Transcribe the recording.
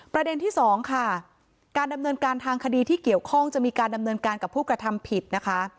ประเด็นที่สองค่ะการดำเนินการทางคดีที่เกี่ยวข้องจะมีการดำเนินการกับผู้กระทำผิดนะคะ